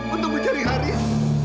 untuk mencari haris